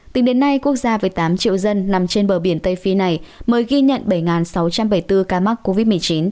tính đến nay quốc gia với tám triệu dân nằm trên bờ biển tây phi này mới ghi nhận bảy sáu trăm bảy mươi bốn ca mắc covid một mươi chín